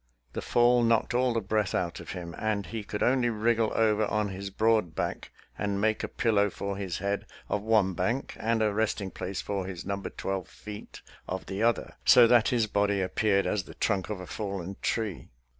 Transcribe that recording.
The fall knocked all the breath out of him, and he could only wriggle over on his broad back and make a pillow for his head of one bank and a resting place for his number twelve feet of the other, so that his body appeared as the trunk of a fallen tree.